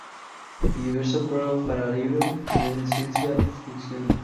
Y diversos prólogos para libros de ciencia ficción.